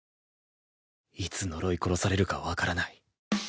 いつ呪い殺されるか分からない。